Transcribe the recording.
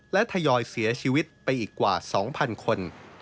และทยอยเสียชีวิตไปอีกกว่า๒๐๐คน